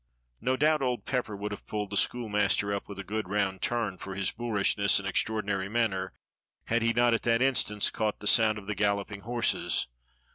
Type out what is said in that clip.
^" No doubt old Pepper would have pulled the school master up with a good round turn for his boorishness and extraordinary manner had he not at that instant caught the sound of the galloping horses.